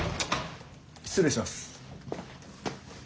失礼します。